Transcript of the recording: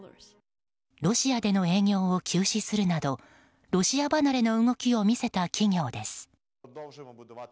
ロシアでの営業を休止するなどロシア離れの動きを見せた企業です。